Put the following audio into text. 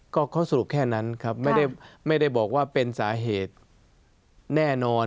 ก็เขาสรุปแค่นั้นครับไม่ได้บอกว่าเป็นสาเหตุแน่นอน